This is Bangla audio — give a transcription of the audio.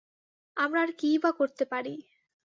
আমরা আর কিই বা করতে পারি।